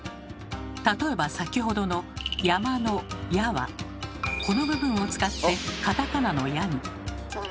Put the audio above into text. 例えば先ほどの「山」の「也」はこの部分を使ってカタカナの「ヤ」に。